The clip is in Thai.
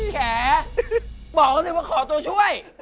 แข่บอกเลยว่าขอตัวช่วย